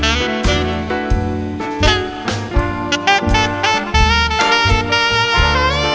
เฮ้สงสันหรอก